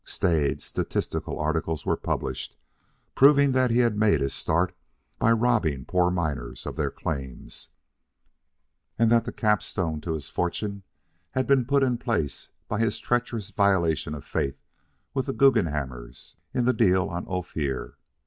Staid, statistical articles were published, proving that he had made his start by robbing poor miners of their claims, and that the capstone to his fortune had been put in place by his treacherous violation of faith with the Guggenhammers in the deal on Ophir.